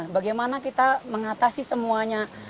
bagaimana kita mengatasi semuanya